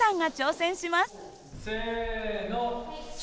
せの。